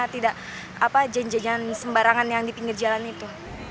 tidak jenjajangan sembarangan yang di pinggir jalan itu